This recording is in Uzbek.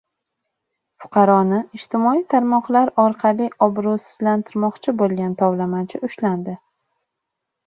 Fuqaroni ijtimoiy tarmoqlar orqali obro‘sizlantirmoqchi bo‘lgan tovlamachi ushlandi